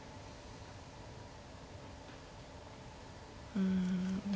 うん。